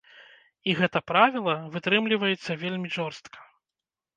І гэта правіла вытрымліваецца вельмі жорстка.